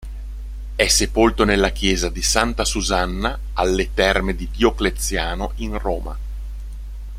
È sepolto nella Chiesa di Santa Susanna alle Terme di Diocleziano in Roma.